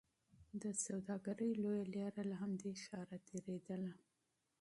د تجارت لویه لاره له همدې ښاره تېرېدله.